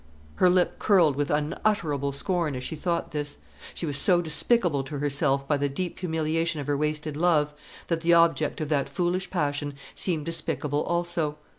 Her lip curled with unutterable scorn as she thought this. She was so despicable to herself by the deep humiliation of her wasted love, that the object of that foolish passion seemed despicable also.